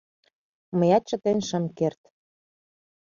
Мыят чытен шым керт: